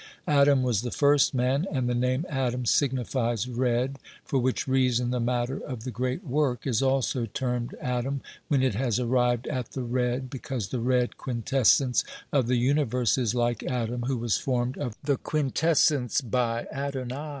Adam was the first man, and the name Adam signifies red, for which reason the matter of the Great Work is also termed Adam OBERMANN 199 when it has arrived at the red, because the red quintessence of the universe is Uke Adam, who was formed of the quint essence by Adonai.